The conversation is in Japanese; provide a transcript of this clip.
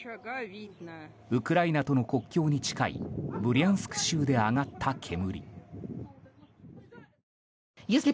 ウクライナとの国境に近いブリャンスク州で上がった煙。